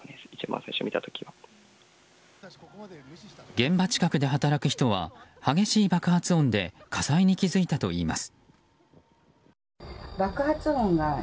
現場近くで働く人は激しい爆発音で火災に気付いたといいます。